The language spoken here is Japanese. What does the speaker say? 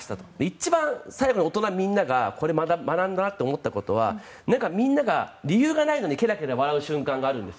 一番最後に大人みんなが学んだなと思ったことはみんなが理由がないのにケラケラ笑う瞬間があるんです。